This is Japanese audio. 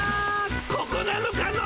ここなのかの？